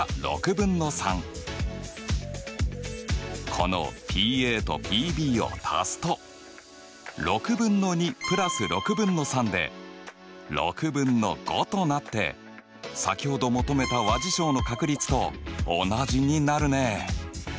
このＰとＰを足すと６分の２プラス６分の３で６分の５となって先ほど求めた和事象の確率と同じになるね。